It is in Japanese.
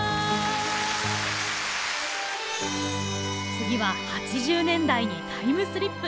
次は８０年代にタイムスリップ！